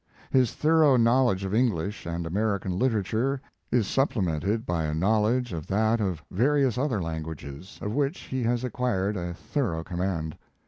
His thorough knowledge of English and American literature is supplemented by a knowledge of that of various other lan guages, of which he has acquired a thorough command.